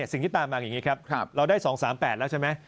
สิ่งที่ตามมาอย่างนี้ครับเราได้๒๓๘แล้วใช่ไหม